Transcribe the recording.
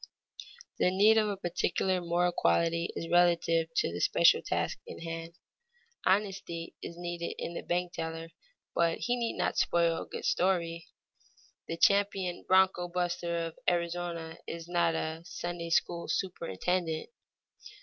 _ The need of a particular moral quality is relative to the special task in hand. Honesty is needed in the bank teller, but he need not spoil a good story. The champion broncho buster of Arizona is not a Sunday school superintendent.